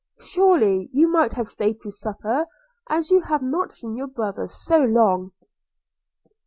Surely you might have staid to supper, as you have not seen your brother so long.'